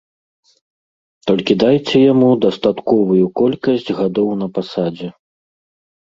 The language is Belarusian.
Толькі дайце яму дастатковую колькасць гадоў на пасадзе.